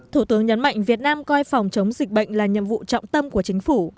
thủ tướng nhấn mạnh việt nam coi phòng chống dịch bệnh là nhiệm vụ trọng tâm của chính phủ